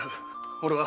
俺は！